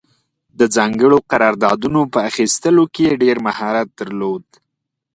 د ځانګړو قراردادونو په اخیستلو کې یې ډېر مهارت درلود.